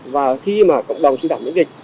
và khi cộng đồng suy giảm miễn dịch